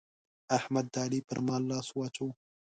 احمد د علي پر مال لاس واچاوو.